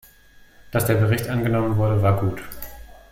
Dass der Bericht angenommen wurde, war gut.